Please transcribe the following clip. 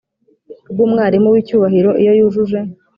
Rw umwarimu w icyubahiro iyo yujuje